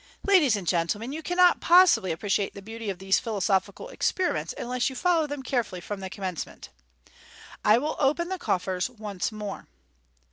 "Ladies and gentlemen, you cannot possibly appreciate the beauty of these philosophical experiments unless you follow them carefully from the commencement. I will open the coffers once more."